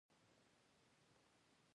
د شیرجان د یاغي کېدو په باب نارې شته.